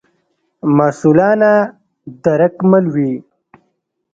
مسوولانه درک مل وي.